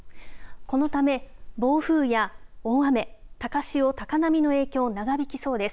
このため暴風や大雨、高潮、高波の影響、長引きそうです。